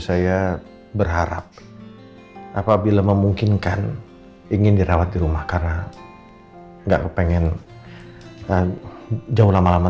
saya berharap apabila memungkinkan ingin dirawat di rumah karena enggak kepengen jauh lama lama